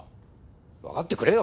わかってくれよ。